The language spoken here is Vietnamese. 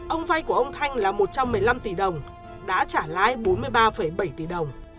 ông vay của ông thanh là một trăm một mươi năm tỷ đồng đã trả lãi bốn mươi ba bảy tỷ đồng